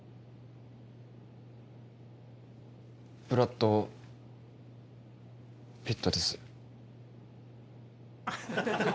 ブラッド・ピットです。